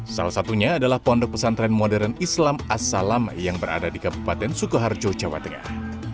salah satunya adalah pondok pesantren modern islam as salam yang berada di kabupaten sukoharjo jawa tengah